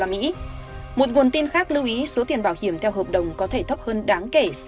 một nguồn tin khác lưu ý số tiền bảo hiểm theo hợp đồng có thể thấp hơn đáng kể